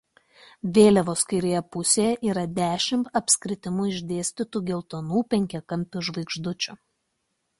Vėliavos kairėje pusėje yra dešimt apskritimu išdėstytų geltonų penkiakampių žvaigždžių.